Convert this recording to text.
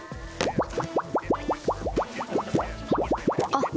あっ。